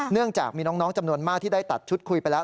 เนื่องจากมีน้องจำนวนมากที่ได้ตัดชุดคุยไปแล้ว